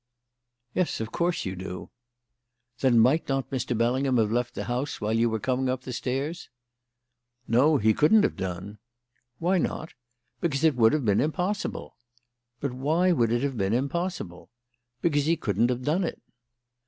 "Yes, of course you do!" "Then might not Mr. Bellingham have left the house while you were coming up the stairs?" "No, he couldn't have done." "Why not?" "Because it would have been impossible." "But why would it have been impossible?" "Because he couldn't have done it."